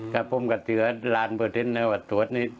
กับผมกับเจือล้านเปอร์เทนต์ในวัดถวดนี่